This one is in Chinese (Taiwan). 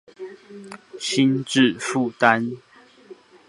心智負擔